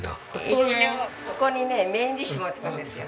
一応ここにねメインディッシュ持ってくるんですよ。